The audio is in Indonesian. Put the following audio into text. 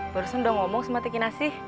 barusan udah ngomong sama tiki nasi